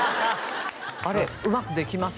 あれうまくできます